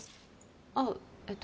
あっえっと